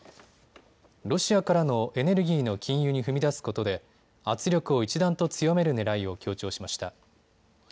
ロシアからのエネルギーの禁輸に踏み出すことで圧力を一段と強めるねらいを強調しました。